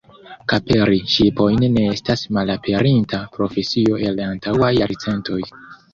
Kaperi ŝipojn ne estas malaperinta profesio el antaŭaj jarcentoj.